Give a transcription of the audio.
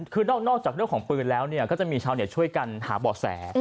คือนอกจากเรื่องของปืนแล้วก็จะมีชาวเน็ตช่วยกันหาเบาะแส